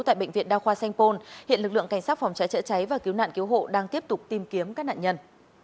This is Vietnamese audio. tại bệnh viện đa khoa xanh pôn hiện lực lượng cảnh sát phòng trái trợ cháy và cứu nạn cứu hộ đang tiếp tục tìm kiếm các nạn nhân